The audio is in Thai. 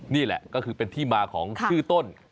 นี่แหละก็คือเป็นที่มาของชื่อต้น